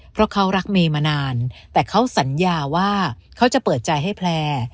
เพราะเขารักเมย์มานานแต่เขาสัญญาว่าเขาจะเปิดใจให้แพลร์